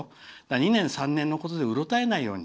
２年、３年のことでうろたえないように。